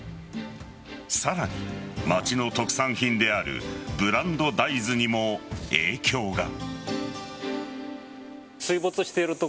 さらに町の特産品であるブランド大豆にも影響が。